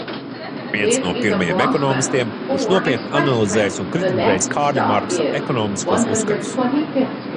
Viens no pirmajiem ekonomistiem, kurš nopietni analizējis un kritizējis Kārļa Marksa ekonomiskos uzskatus.